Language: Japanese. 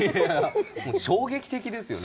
衝撃的ですよね。